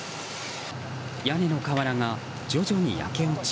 屋根の瓦が徐々に焼け落ち。